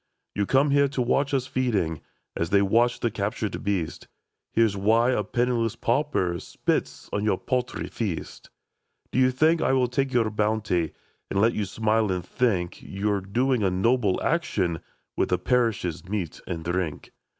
ii You came here to watch us feeding, A$ they watch the captured beast. Hear why a penniless pauper Spits on your paltry feast. " Do you think I will take your bounty, And let you smile and think You 're doing a noble action With the parish's meat and drink